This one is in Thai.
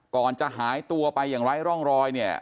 ก่อนจะหายตัวไปอย่างไร้ร่องรอยเนี่ย